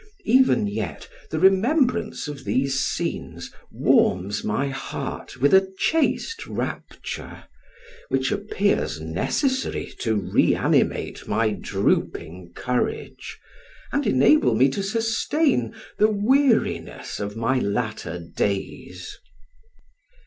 Even yet the remembrance of these scenes warms my heart with a chaste rapture, which appears necessary to reanimate my drooping courage, and enable me to sustain the weariness of my latter days.